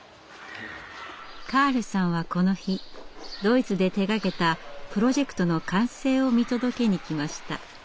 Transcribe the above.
カールさんはこの日ドイツで手がけたプロジェクトの完成を見届けにきました。